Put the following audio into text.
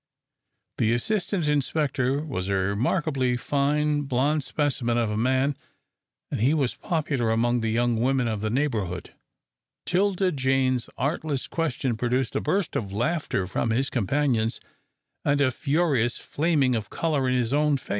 The assistant inspector was a remarkably fine blond specimen of a man, and, as he was popular among the young women of the neighbourhood, 'Tilda Jane's artless question produced a burst of laughter from his companions, and a furious flaming of colour in his own face.